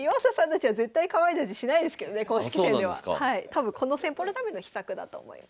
多分この戦法のための秘策だと思います。